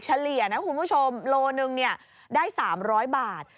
เฉลี่ยนะคุณผู้ชมโลหนึ่งเนี่ยได้สามร้อยบาท